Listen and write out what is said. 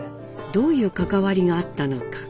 どういう関わりがあったのか。